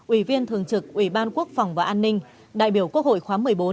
ủy viên thường trực ủy ban quốc phòng và an ninh đại biểu quốc hội khóa một mươi bốn